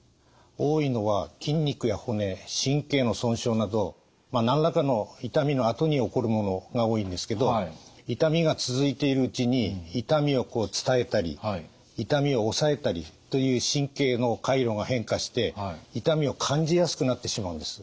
多いのは筋肉や骨神経の損傷など何らかの痛みのあとに起こるものが多いんですけど痛みが続いているうちに痛みを伝えたり痛みを抑えたりという神経の回路が変化して痛みを感じやすくなってしまうんです。